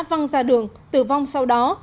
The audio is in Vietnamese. văng ra đường tử vong sau đó